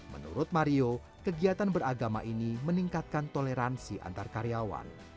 menurut mario kegiatan beragama ini meningkatkan toleransi antarkaryawan